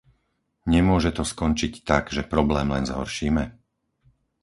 Nemôže to skončiť tak, že problém len zhoršíme?